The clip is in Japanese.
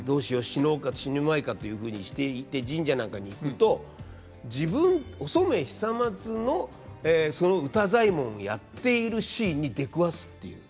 死のうか死ぬまいか」というふうにしていって神社なんかに行くと自分お染久松のその歌祭文やっているシーンに出くわすっていう。